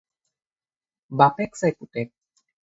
বাপেক চাই পুতেক।